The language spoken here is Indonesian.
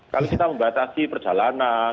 kalau kita membatasi perjalanan